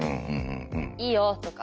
「いいよ」とか。